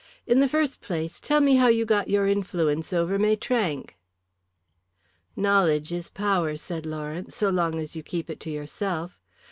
"In the first place, tell me how you got your influence over Maitrank." "Knowledge is power," said Lawrence, "so long as you keep it to yourself.